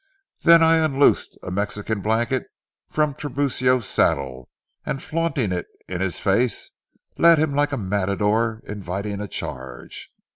Then I unloosed a Mexican blanket from Tiburcio's saddle, and flaunting it in his face, led him like a matador inviting a charge.